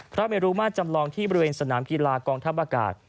พระเมรุมาตรจำลองที่บริเวณสนามกีฬากองทัพอากาศ